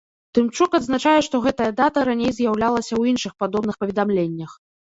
Тымчук адзначае, што гэтая дата раней з'яўлялася ў іншых падобных паведамленнях.